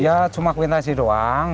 ya cuma kuitansi doang